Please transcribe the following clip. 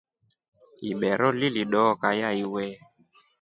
Ibero lilidookaya iwe.